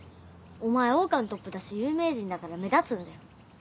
お前桜花のトップだし有名人だから目立つんだよ。